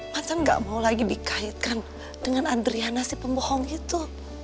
masa gak mau lagi dikaitkan dengan adriana si pembohong itu